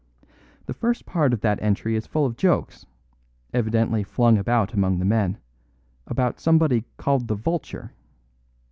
The first part of that entry is full of jokes, evidently flung about among the men, about somebody called the Vulture.